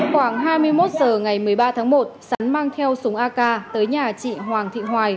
khoảng hai mươi một h ngày một mươi ba tháng một sắn mang theo súng ak tới nhà chị hoàng thị hoài